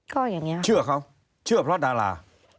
ก็อย่างนี้เชื่อเขาเชื่อเพราะดารา